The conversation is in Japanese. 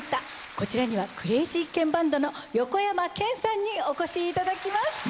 こちらにはクレイジーケンバンドの横山剣さんにお越しいただきました。